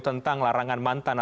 tentang larangan mantan arsipan